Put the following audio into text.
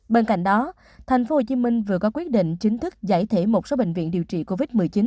bên cạnh đó tp hcm vừa có quyết định chính thức giải thể một số bệnh viện điều trị covid một mươi chín